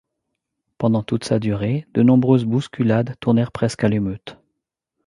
Pendant toute sa durée, de nombreuses bousculades tournèrent presque à l'émeute.